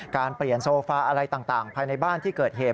การเปลี่ยนโซฟาอะไรต่างภายในบ้านที่เกิดเหตุ